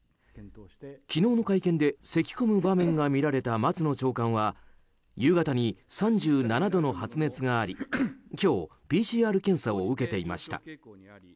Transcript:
昨日の会見で、せき込む場面が見られた松野長官は夕方に３７度の発熱があり今日ＰＣＲ検査を受けていました。